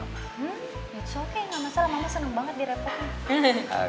hmm it's okay enggak masalah mama senang banget direpotkan